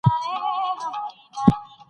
تر دې مخکي سياست د فيلسوفانو په انحصار کي و.